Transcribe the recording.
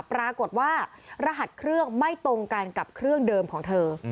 ปรากฏว่ารหัสเครื่องไม่ตรงกันกับเครื่องเดิมของเธอ